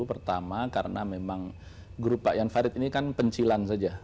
pertama karena memang grup pak jan farid ini kan pencilan saja